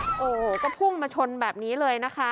โอ้โหก็พุ่งมาชนแบบนี้เลยนะคะ